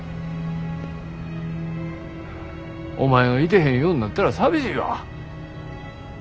お前がいてへんようなったら寂しいわ。